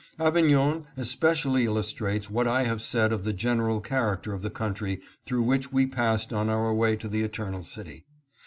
Avignon especially illustrates what I have said of the general character of the country through which we passed on our way to the Eternal City.